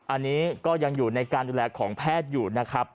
อันนี้ก็ยังอยู่ในการดูแลของแพทย์อยู่นะครับ